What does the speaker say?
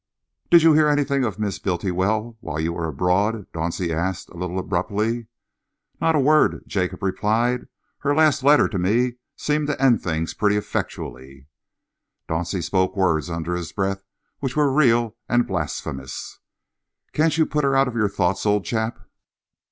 "Did you hear anything of Miss Bultiwell while you were abroad?" Dauncey asked a little abruptly. "Not a word," Jacob replied. "Her last letter to me seemed to end things pretty effectually." Dauncey spoke words under his breath which were real and blasphemous. "Can't you put her out of your thoughts, old chap?"